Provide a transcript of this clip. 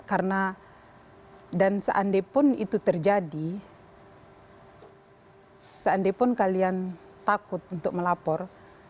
karena dan seandai pun itu terjadi seandai pun kalian takut untuk melapor